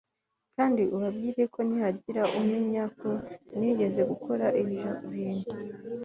kandi ubabwire ko nihagira umenya ko nigeze gukora ibyo bintu